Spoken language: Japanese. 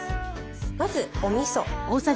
まずおみそ。